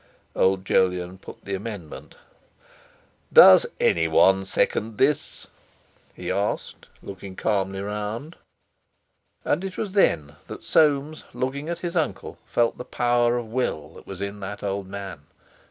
Old Jolyon put the amendment. "Does anyone second this?" he asked, looking calmly round. And it was then that Soames, looking at his uncle, felt the power of will that was in that old man.